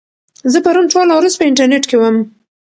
زه پرون ټوله ورځ په انټرنيټ کې وم.